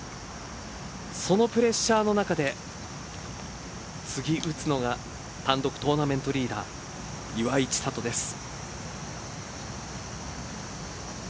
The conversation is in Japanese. そのプレッシャーの中で次打つのが単独トーナメントリーダー岩井千怜です。